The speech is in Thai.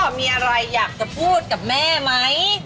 มีอะไรอยากจะพูดกับแม่ไหม